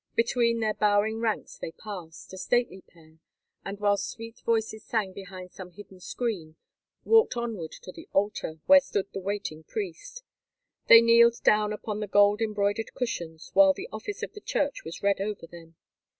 Between their bowing ranks they passed, a stately pair, and, whilst sweet voices sang behind some hidden screen, walked onward to the altar, where stood the waiting priest. They kneeled down upon the gold embroidered cushions while the office of the Church was read over them.